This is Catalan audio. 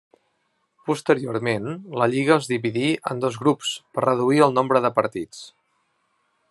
Posteriorment, la lliga es dividí en dos grups per reduir el nombre de partits.